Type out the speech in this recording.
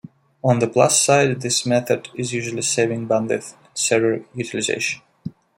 On the plus side, this method is usually saving bandwidth and server utilization.